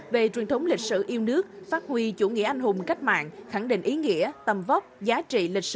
về truyền thống lịch sử yêu nước phát huy chủ nghĩa anh hùng cách mạng khẳng định ý nghĩa tầm vóc